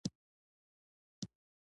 دا دروند دی